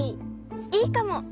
いいかも！